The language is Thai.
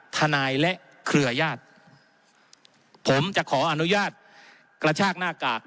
ทนายและเครือญาติผมจะขออนุญาตกระชากหน้ากาก